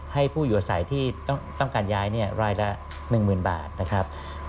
ให้ผู้อยู่อาศัยที่ต้องการย้ายรายละ๑๐๐๐บาทนะครับ